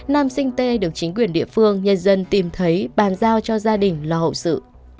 nam sinh t được chính quyền địa phương nhân dân tìm thấy bàn giao cho gia đình lo hậu sự